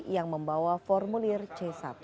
yang membawa formulir c satu